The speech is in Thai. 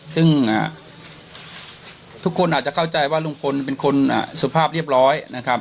ซึ่งทุกคนอาจจะเข้าใจว่าลุงพลเป็นคนสุภาพเรียบร้อยนะครับ